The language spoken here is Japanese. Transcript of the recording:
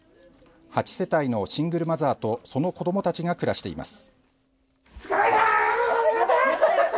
８世帯のシングルマザーとその子どもたちが暮らしています。